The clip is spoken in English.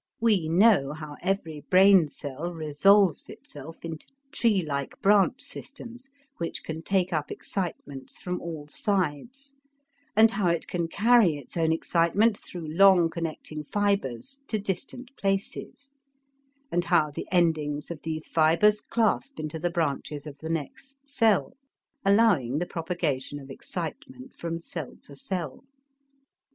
We know how every brain cell resolves itself into tree like branch systems which can take up excitements from all sides, and how it can carry its own excitement through long connecting fibers to distant places, and how the endings of these fibers clasp into the branches of the next cell, allowing the propagation of excitement from cell to cell.